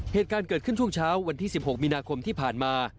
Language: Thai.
เหตุการณ์เกิดขึ้นช่วงเช้าวันที่๑๖มีนาคมที่ผ่านมา